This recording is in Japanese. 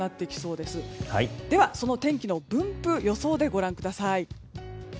では、その天気の分布を予想でご覧ください。